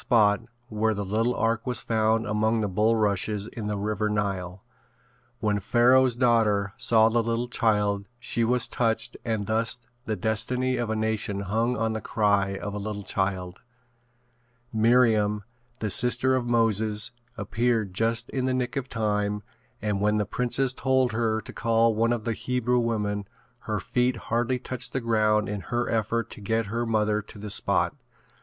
spot where the little ark was found among the bullrushes in the River Nile. When Pharoah's daughter saw the little child she was touched and thus the destiny of a nation hung on the cry of a little child. Miriam, the sister of Moses appeared just in the nick of time and when the princess told her to call one of the Hebrew women her feet hardly touched the ground in her effort to get her mother to the spot.